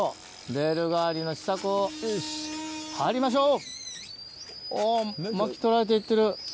レール代わりの支索を張りましょう！